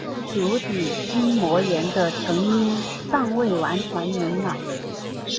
足底筋膜炎的成因尚未完全明朗。